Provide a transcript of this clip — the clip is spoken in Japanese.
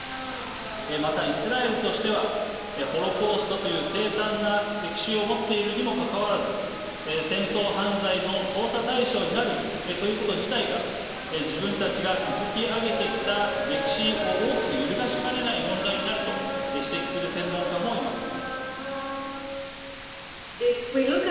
また、イスラエルとしてはホロコーストという凄惨な歴史をもっているにもかかわらず戦争犯罪の捜査対象になるということ自体が自分たちが築き上げてきた歴史を大きく揺るがしかねない問題になると指摘する専門家もいます。